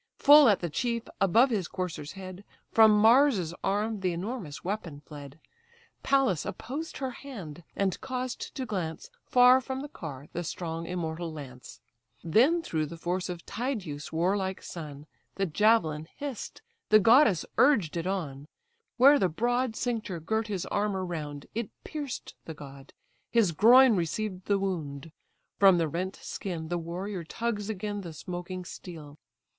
Full at the chief, above his courser's head, From Mars's arm the enormous weapon fled: Pallas opposed her hand, and caused to glance Far from the car the strong immortal lance. Then threw the force of Tydeus' warlike son; The javelin hiss'd; the goddess urged it on: Where the broad cincture girt his armour round, It pierced the god: his groin received the wound. From the rent skin the warrior tugs again The smoking steel.